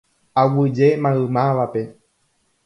Aguyje maymávape.